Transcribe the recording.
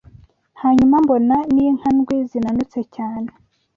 Hanyuma mbona n’inka ndwi zinanutse cyane